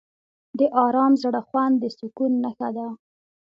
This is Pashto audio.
د آرام زړه خوند د سکون نښه ده.